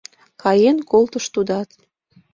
Каен колтыш тудат.